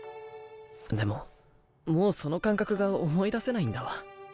でももうその感覚が思い出せないんだわ。